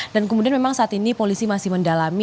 dan kemudian memang saat ini polisi masih mendalami